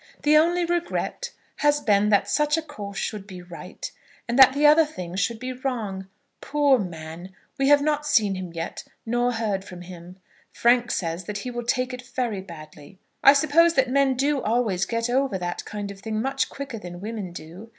The only regret has been that such a course should be right, and that the other thing should be wrong. Poor man! we have not seen him yet, nor heard from him. Frank says that he will take it very badly. I suppose that men do always get over that kind of thing much quicker than women do.